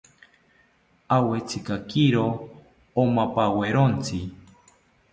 Awetzikakiro omampawerontzi